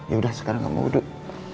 yaudah sekarang kamu duduk